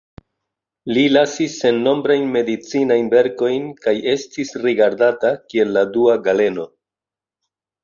Li lasis sennombrajn medicinajn verkojn kaj estis rigardata kiel la dua Galeno.